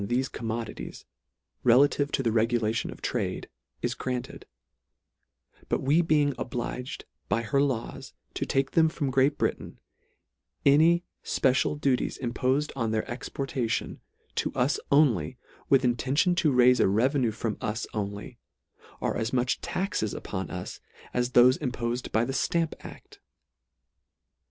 That we may be legally bound to pay any general duties on thefe commodities, relative to the regulation of trade, is granted; but we being obliged by her laws to take them from Great Britain, any fpecial duties im pofed on their exportation to us only, with intention to raife a revenue from us only, are as much taxes upon us, as thofe imposed by the Stamp ail.